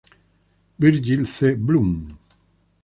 Virgil C. Blum.